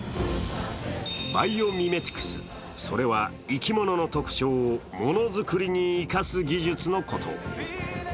バイオミメティクス、それは生き物の特徴をものづくりに生かす技術のこと。